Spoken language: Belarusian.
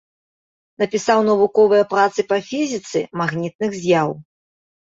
Напісаў навуковыя працы па фізіцы магнітных з'яў.